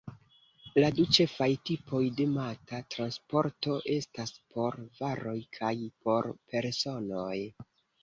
La du ĉefaj tipoj de mata transporto estas por varoj kaj por personoj.